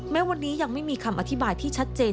แม้วันนี้ยังไม่มีคำอธิบายที่ชัดเจน